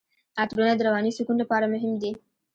عطرونه د رواني سکون لپاره مهم دي.